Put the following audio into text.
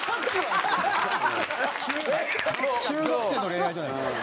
中学生の恋愛じゃないですか。